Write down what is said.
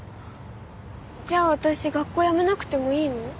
じゃあ私学校やめなくてもいいの？